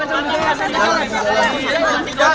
yang rekayasa di cernak sendiri